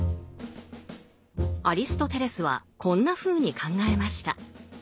アリストテレスはこんなふうに考えました。